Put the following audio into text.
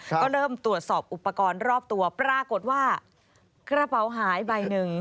ก็เริ่มตรวจสอบอุปกรณ์รอบตัวปรากฏว่ากระเป๋าหายใบหนึ่ง